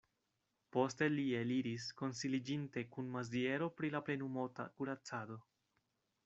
Poste li eliris, konsiliĝinte kun Maziero pri la plenumota kuracado.